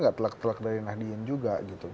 gak telak telak dari nahdien juga gitu